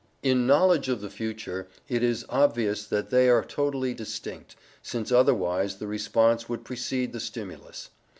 In knowledge of the future, it is obvious that they are totally distinct, since otherwise the response would precede the stimulus.